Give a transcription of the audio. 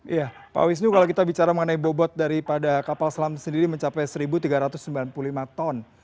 iya pak wisnu kalau kita bicara mengenai bobot daripada kapal selam sendiri mencapai satu tiga ratus sembilan puluh lima ton